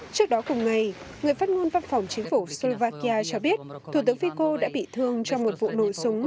trước đó cùng ngày người phát ngôn văn phòng chính phủ slovakia cho biết thủ tướng fico đã bị thương trong một vụ nổ súng